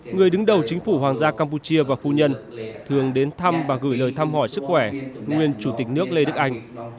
người đứng đầu chính phủ hoàng gia campuchia và phu nhân thường đến thăm và gửi lời thăm hỏi sức khỏe nguyên chủ tịch nước lê đức anh